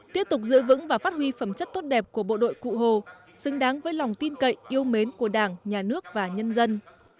tiếp tục giữ vững và phát huy phẩm chất tốt đẹp của bộ đội cụ hồ xứng đáng với lòng tin cậy yêu mến của đảng nhà nước và nhân dân